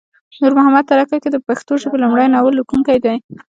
نورمحمد تره کی د پښتو ژبې لمړی ناول لیکونکی دی